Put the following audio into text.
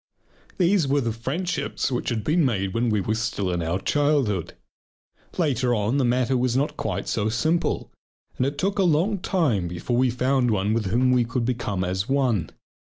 These were friendships which had been made when we were still in our childhood. Later on the matter was not quite so simple, and it took a long time before we found one with whom we could become as one.